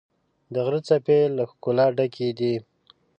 د غره څپې له ښکلا ډکې دي.